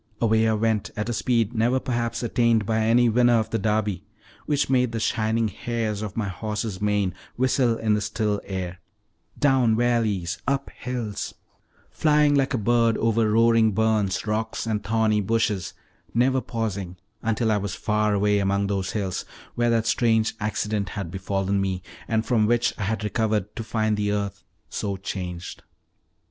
Away I went at a speed never perhaps attained by any winner of the Derby, which made the shining hairs of my horse's mane whistle in the still air; down valleys, up hills, flying like a bird over roaring burns, rocks, and thorny bushes, never pausing until I was far away among those hills where that strange accident had befallen me, and from which I had recovered to find the earth so changed.